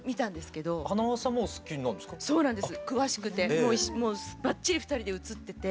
もうばっちり２人で映ってて。